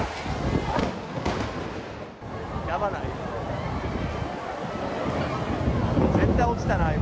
やばない？